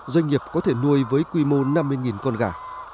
doanh nghiệp có thể nuôi với quy mô năm mươi con gà